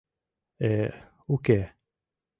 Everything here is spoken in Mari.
— Э, уке.